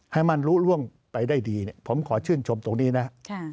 ให้มันรู้ร่วงไปได้ดีผมขอชื่นชมตรงนี้นะ